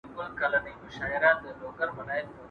¬ نه دي ستا کره پاخه سي، نه دي زما خواري تر خوله سي.